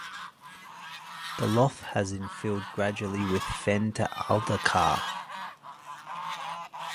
The lough has infilled gradually with fen to alder carr.